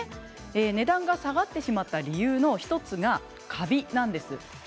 値段が下がってしまった理由の１つがカビなんです。